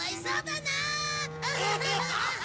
アハハハハ！